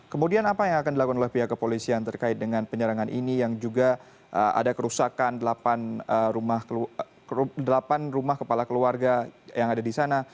kemudian apa yang akan dilakukan oleh pihak kepolisian terkait dengan penyerangan ini yang juga ada kerusakan delapan rumah kepala keluarga yang ada di sana